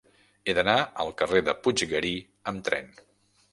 He d'anar al carrer de Puiggarí amb tren.